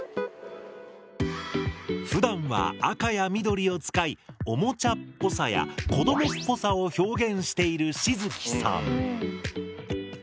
ふだんは赤や緑を使い「おもちゃっぽさ」や「子どもっぽさ」を表現しているしづきさん。